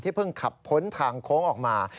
เพิ่งขับพ้นทางโค้งออกมา